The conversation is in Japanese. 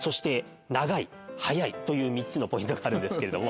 という３つのポイントがあるんですけれども。